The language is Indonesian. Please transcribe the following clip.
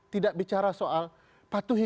tidak bicara soal patuhi